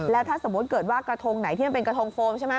แล้วถ้าสมมุติเกิดว่ากระทงไหนที่มันเป็นกระทงโฟมใช่ไหม